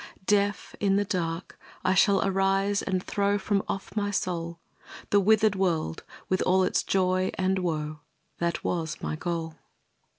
Deaf, in the dark, I shall arise and throw From off my soul, The withered world with all its joy and woe, That was my goal.